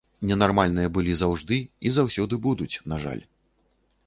Ненармальныя былі заўжды і заўсёды будуць, на жаль.